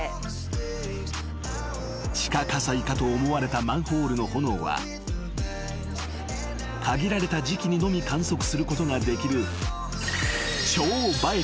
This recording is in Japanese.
［地下火災かと思われたマンホールの炎は限られた時期にのみ観測することができる］